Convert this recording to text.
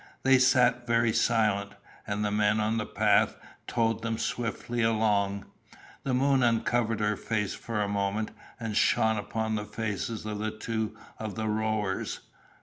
They sat very silent, and the men on the path towed them swiftly along. The moon uncovered her face for a moment, and shone upon the faces of two of the rowers.